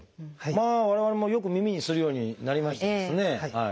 まあ我々もよく耳にするようになりましたですね。